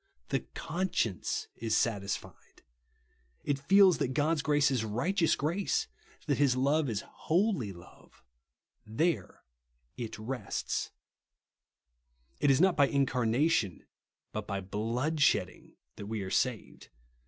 The conscience is satisfied. It feels that God's grace is righteous THE liLGOlJ OF SPRINKLING . 59 grace, that liis love is lioly love. There it rests. It is not by incarnation but by hlood f^hedding that we are saved.